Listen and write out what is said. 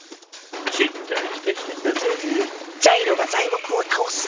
ちっとは期待してんだぜ。